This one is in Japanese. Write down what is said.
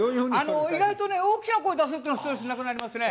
意外とね大きな声出すっちゅうのはストレスなくなりますね。